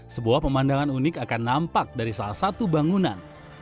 sebuah pemandangan unik akan nampak dari salah satu bangunan